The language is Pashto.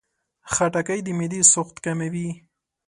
خټکی د معدې سوخت کموي.